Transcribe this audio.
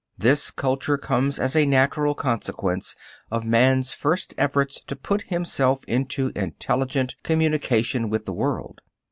This culture comes as a natural consequence of man's first efforts to put himself into intelligent communication with the world.